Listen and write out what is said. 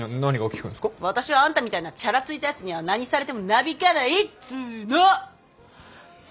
私はあんたみたいなチャラついたやつには何されてもなびかないっつうの！